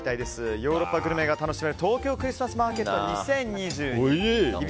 ヨーロッパグルメが楽しめる東京クリスマスマーケット２０２２ｉｎ